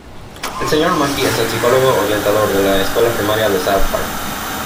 El Sr. Mackey es el psicólogo orientador de la Escuela Primaria de South Park.